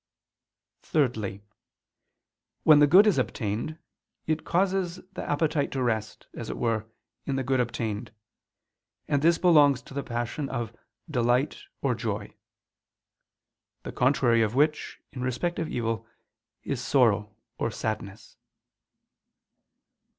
_ Thirdly, when the good is obtained, it causes the appetite to rest, as it were, in the good obtained: and this belongs to the passion of delight or joy; the contrary of which, in respect of evil, is sorrow or _sadness.